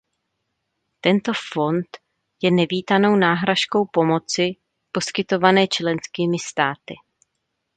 Tento fond je nevítanou náhražkou pomoci poskytované členskými státy.